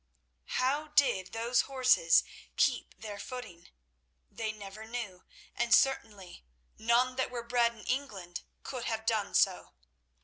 How did those horses keep their footing? They never knew, and certainly none that were bred in England could have done so.